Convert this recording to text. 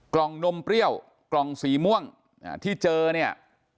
นมเปรี้ยวกล่องสีม่วงที่เจอเนี่ย